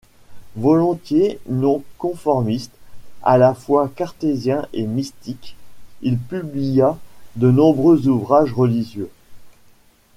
Volontiers non-conformiste, à la fois cartésien et mystique, il publia de nombreux ouvrages religieux.